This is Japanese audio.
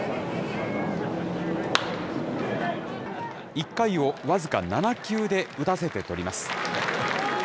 １回を僅か７球で打たせて捕ります。